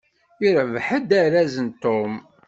Irbeḥ-d araz Tom.